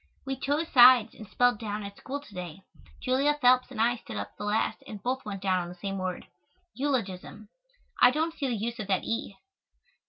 We chose sides and spelled down at school to day. Julia Phelps and I stood up the last and both went down on the same word eulogism. I don't see the use of that "e."